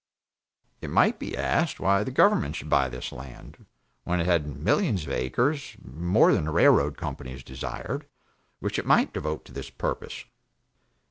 It might be asked why the government should buy this land, when it had millions of acres, more than the railroad companies desired, which, it might devote to this purpose?